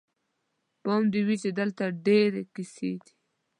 پام دې وي چې دلته ډېرې کیسې دي.